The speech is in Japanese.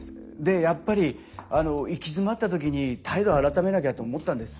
やっぱり行き詰まった時に態度改めなきゃと思ったんです。